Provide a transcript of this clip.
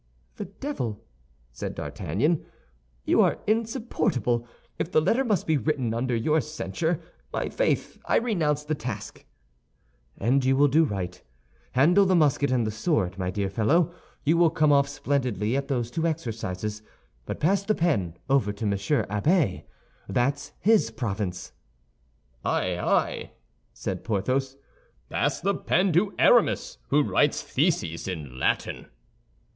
"The devil!" said D'Artagnan, "you are insupportable. If the letter must be written under your censure, my faith, I renounce the task." "And you will do right. Handle the musket and the sword, my dear fellow. You will come off splendidly at those two exercises; but pass the pen over to Monsieur Abbé. That's his province." "Ay, ay!" said Porthos; "pass the pen to Aramis, who writes theses in Latin."